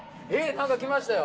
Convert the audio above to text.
何か来ましたよ。